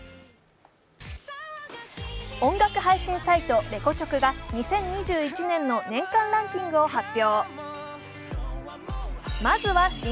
音楽配信サイトレコチョクが２０２１年の年間ランキングを発表。